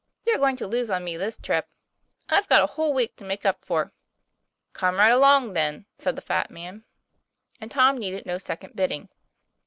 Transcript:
You're going to lose on me this trip. I've got a whole week to make up for." ' Come right along, then," said the fat man. And Tom needed no second bidding.